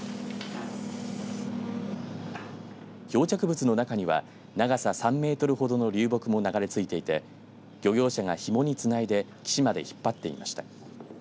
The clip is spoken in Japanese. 漂着物の中には長さ３メートルほどの流木も流れ着いていて漁業者がひもにつないで岸まで引っ張っていました。